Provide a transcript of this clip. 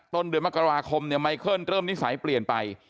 ต้นเดือนมกราคมเนี่ยไมเคิลเริ่มนิสัยเปลี่ยนไป